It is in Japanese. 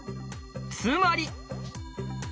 つまり。